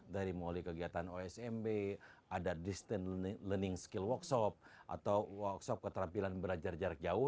dari mulai kegiatan osmb ada distant learning skill workshop atau workshop keterampilan belajar jarak jauh